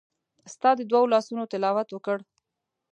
ستا د دوو لاسونو تلاوت وکړ